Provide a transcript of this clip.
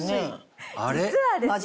実はですね